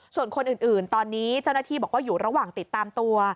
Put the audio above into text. ส่วนคนอื่นตอนนี้เจ้าหน้าที่บอกว่าอยู่ระหว่างติดตามตัว